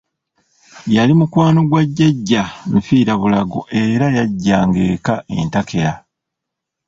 Yali mukwano gwa Jjajja nfiirabulago era yajjanga eka entakera.